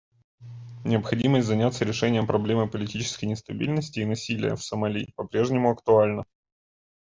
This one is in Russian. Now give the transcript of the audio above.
Необходимость заняться решением проблемы политической нестабильности и насилия в Сомали по-прежнему актуальна.